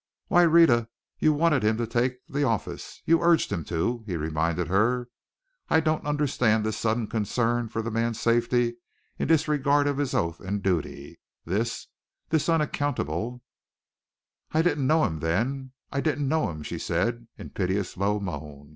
"Why, Rhetta, you wanted him to take the office, you urged him to," he reminded her. "I don't understand this sudden concern for the man's safety in disregard of his oath and duty, this this unaccountable " "I didn't know him then I didn't know him!" she said, in piteous low moan.